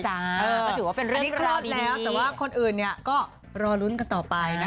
ค่ะถือว่าเป็นเรื่องราวดีแต่ว่าคนอื่นก็รอรุ้นกันต่อไปนะ